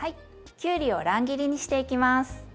きゅうりを乱切りにしていきます。